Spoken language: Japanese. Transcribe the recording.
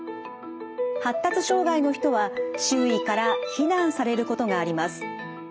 発達障害の人は周囲から非難されることがあります。